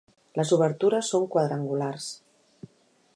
Les obertures són quadrangulars.